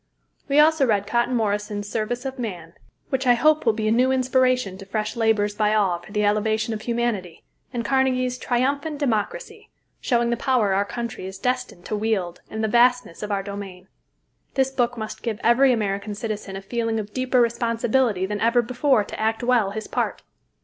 ] We also read Cotton Morrison's "Service of Man," which I hope will be a new inspiration to fresh labors by all for the elevation of humanity, and Carnegie's "Triumphant Democracy," showing the power our country is destined to wield and the vastness of our domain. This book must give every American citizen a feeling of deeper responsibility than ever before to act well his part.